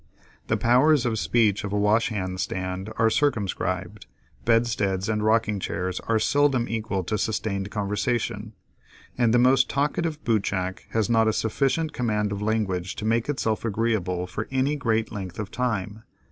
The powers of speech of a washhand stand are circumscribed, bedsteads and rocking chairs are seldom equal to a sustained conversation, and the most talkative bootjack has not a sufficient command of language to make itself agreeable for any great length of time.